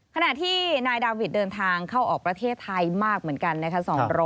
ขณะที่นายดาวิทเดินทางเข้าออกประเทศไทยมากเหมือนกันนะคะ